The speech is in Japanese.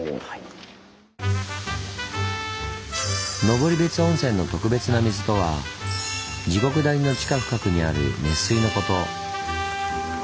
「登別温泉の特別な水」とは地獄谷の地下深くにある熱水のこと。